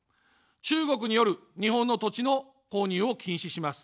中国による日本の土地の購入を禁止します。